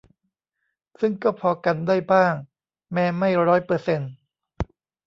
ซึ่งก็พอกันได้บ้าง แม้ไม่ร้อยเปอร์เซนต์